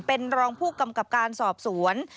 เป็นรองผู้กำกับการสอบสวน